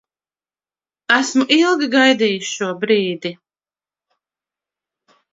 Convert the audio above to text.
Esmu ilgi gaidījis šo brīdi.